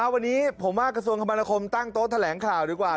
วันนี้ผมว่ากระทรวงคมนาคมตั้งโต๊ะแถลงข่าวดีกว่า